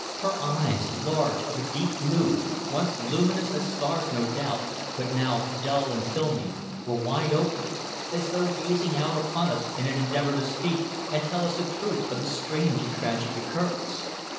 Her eyes large, of a deep blue, once luminous as stars no doubt, but now dull and filmy, were wide open, as though gazing out upon us in an endeavour to speak and tell us the truth of the strange and tragic occurrence.